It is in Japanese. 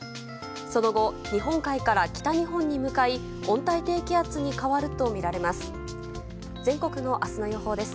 その後日本海から北日本に向かい温帯低気圧に変わるとみられます。